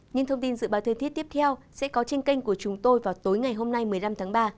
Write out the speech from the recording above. những thông tin dự báo thời tiết tiếp theo sẽ có trên kênh của chúng tôi vào tối ngày hôm nay một mươi năm tháng ba